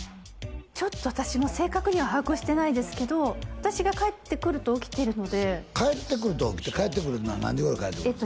ちょっと私も正確には把握してないですけど私が帰ってくると起きてるので帰ってくると起きて何時頃帰ってくるんですか